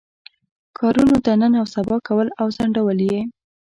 کارونو ته نن او سبا کول او ځنډول یې.